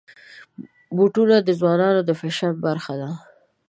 بوټونه د ځوانانو د فیشن برخه ده.